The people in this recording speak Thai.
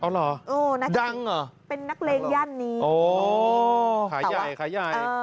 อ๋อเหรอดังเหรอเป็นนักเลงย่านนี้ขายใหญ่ขายใหญ่